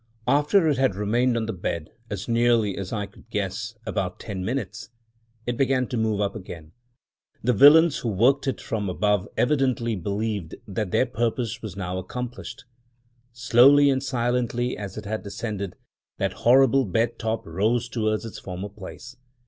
After it had remained on the bed — as nearly as I could guess — about ten minutes, it began to move up again. The villains who worked it from above evidently believed that their purpose was now accomplished. Slowly and silently, as it had descended, that horrible bed top rose towards its former place.